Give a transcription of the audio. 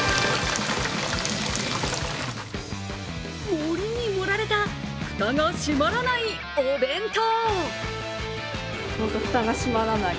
盛りに盛られた、フタが閉まらないお弁当。